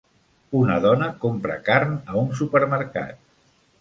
Una dona compra carn a un supermercat.